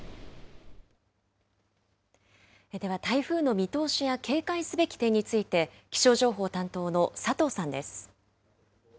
では台風の見通しや、警戒すべき点について、気象情報担当の佐藤さんです。